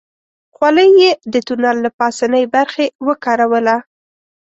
خولۍ يې د تونل له پاسنۍ برخې وکاروله.